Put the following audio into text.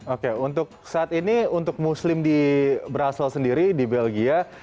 oke untuk saat ini untuk muslim di brazil sendiri di belgia